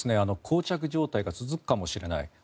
こう着状態が続くかもしれない。